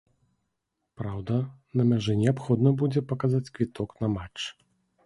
Праўда, на мяжы неабходна будзе паказаць квіток на матч.